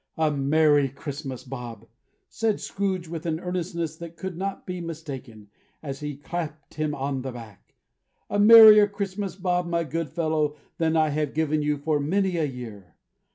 "A Merry Christmas, Bob!" said Scrooge, with an earnestness that could not be mistaken, as he clapped him on the back, "A Merrier Christmas, Bob, my good fellow, than I have given you for many a year!